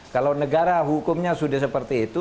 kalau negara hukumnya sudah seperti itu